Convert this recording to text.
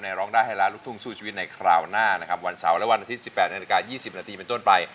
ร้องได้ให้ล้านลูกทุ่งสู้ชีวิตในคราวหน้านะครับวันเสาร์และวันอาทิตย์๑๘นาฬิกา๒๐นาทีเป็นต้นไป